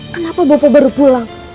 kenapa bopo baru pulang